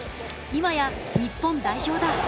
今や日本代表だ。